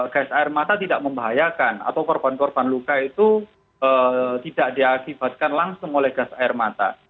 gas air mata tidak membahayakan atau korban korban luka itu tidak diakibatkan langsung oleh gas air mata